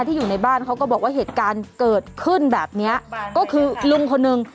อยู่ในบ้านเขาก็บอกว่าเหตุการณ์เกิดขึ้นแบบเนี้ยก็คือลุงคนนึง